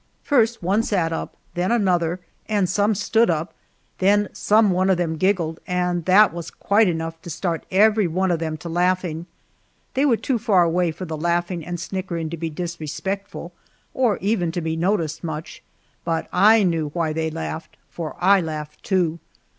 First one sat up, then another, and some stood up, then some one of them giggled, and that was quite enough to start everyone of them to laughing. They were too far away for the laughing and snickering to be disrespectful, or even to be noticed much, but I knew why they laughed, for I laughed too.